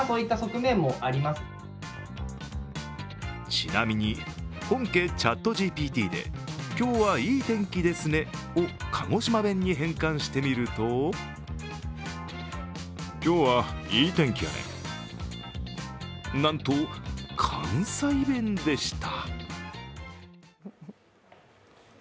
ちなみに本家ＣｈａｔＧＰＴで「今日はいい天気ですね」を鹿児島弁に変換してみるとなんと、関西弁でした。